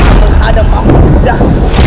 maka adam akan berdampak